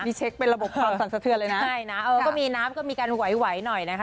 นี่เช็คเป็นระบบความสั่นสะเทือนเลยนะใช่นะเออก็มีน้ำก็มีการไหวไหวหน่อยนะคะ